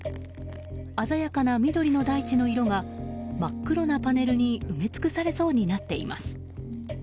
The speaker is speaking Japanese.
鮮やかな緑の大地の色が真っ黒なパネルに埋め尽くされそうになっています。